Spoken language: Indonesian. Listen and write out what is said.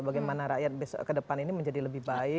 bagaimana rakyat ke depan ini menjadi lebih baik